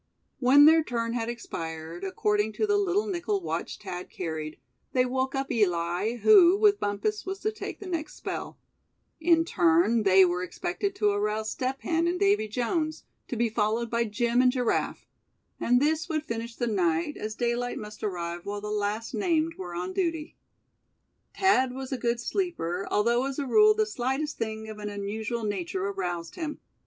When their turn had expired, according to the little nickel watch Thad carried, they woke up Eli, who, with Bumpus was to take the next spell; in turn they were expected to arouse Step Hen and Davy Jones, to be followed by Jim and Giraffe; and this would finish the night, as daylight must arrive while the last named were on duty. Thad was a good sleeper, although as a rule the slightest thing of an unusual nature aroused him.